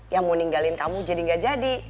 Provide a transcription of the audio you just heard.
yang mau ninggalin kamu jadi gak jadi